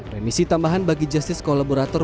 remisi tambahan bagi justice kolaborator